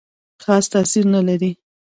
خاص تاثیر نه لري.